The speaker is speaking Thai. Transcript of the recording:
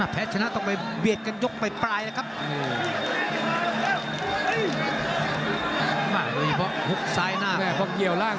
เพราะเกี่ยวร่าง